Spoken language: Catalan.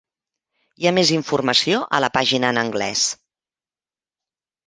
Hi ha més informació a la pàgina en Anglès.